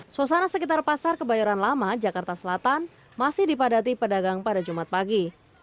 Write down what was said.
suasana sekitar pasar kebayoran lama jakarta selatan masih dipadati pedagang pada jumat pagi